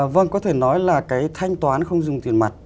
vâng có thể nói là cái thanh toán không dùng tiền mặt